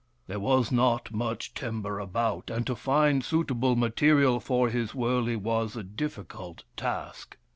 There was not much timber about, and to find suit able material for his wurley was a difficult task.